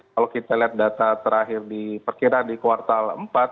kalau kita lihat data terakhir diperkiraan di kuartal empat